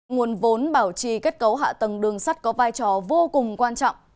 nguồn vốn bảo trì kết cấu hạ tầng đường sắt có vai trò vô cùng quan trọng